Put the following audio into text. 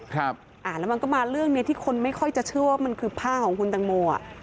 ครับอ่าแล้วมันก็มาเรื่องนี้ที่คนไม่ค่อยจะเชื่อว่ามันคือผ้าของคุณตังโมอ่ะ